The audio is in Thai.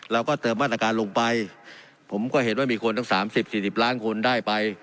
เราก็เติมมาตรการลงไปผมก็เห็นว่ามีคนทั้งสามสิบสี่สิบล้านคนได้ไป